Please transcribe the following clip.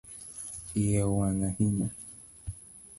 Iye owang ahinya